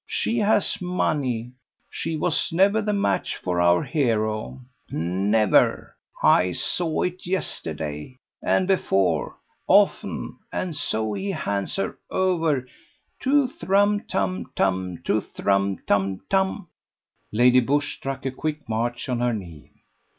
She has money; she was never the match for our hero; never; I saw it yesterday, and before, often; and so he hands her over tuthe rum tum tum, tuthe rum tum tum," Lady Busshe struck a quick march on her knee.